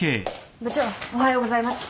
部長おはようございます。